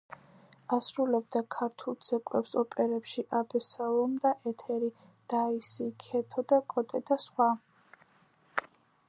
ასრულებდა ქართულ ცეკვებს ოპერებში „აბესალომ და ეთერი“, „დაისი“, „ქეთო და კოტე“ და სხვა.